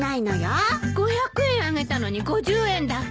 ５００円あげたのに５０円だけ？